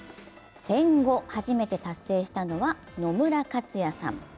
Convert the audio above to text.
戦後初めて達成したのは野村克也さん。